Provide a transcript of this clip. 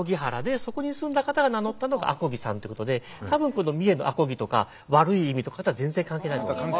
そこに住んだ方が名乗ったのが阿漕さんってことで多分この三重の阿漕とか悪い意味とかとは全然関係ないと思います。